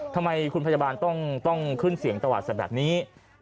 ทำไมคุณพยาบาลต้องขึ้นเสียงตวาดสัตว์แบบนี้